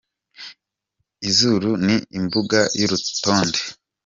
Izuru ni imbuga y’urutonde